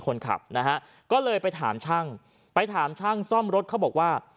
คนขับนะฮะก็เลยไปถามช่างไปถามช่างซ่อมรถเขาบอกว่า